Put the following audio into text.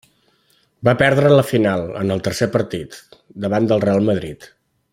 Va perdre la final, en el tercer partit, davant el Reial Madrid.